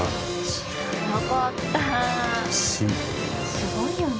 すごいよね。